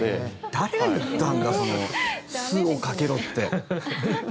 誰が言ったんだ酢をかけろって。